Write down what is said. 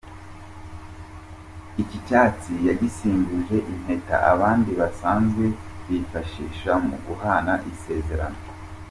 Iki cyatsi yagisimbuje impeta abandi basanzwe bifashisha mu guhana isezerano.